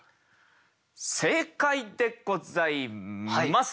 正解でございます。